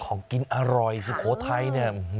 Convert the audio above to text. ของกินอร่อยสุโขทัยเนี่ย